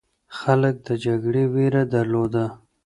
خلک د جګړې ویره درلوده.